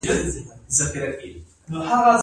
د کونړ په ماڼوګي کې د ګچ نښې شته.